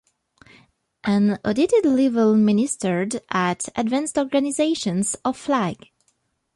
An audited level ministered at Advanced Organizations or Flag.